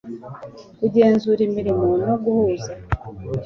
kugenzura imirimo no guhuza